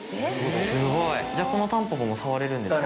すごいじゃあこのたんぽぽも触れるんですか？